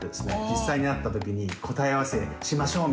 実際に会った時に答え合わせしましょう！